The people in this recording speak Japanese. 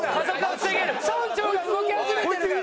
村長が動き始めてるから！